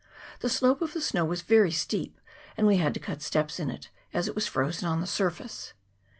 The slope of the snow was very steep, and we had to cut steps in it, as it was frozen on the surface.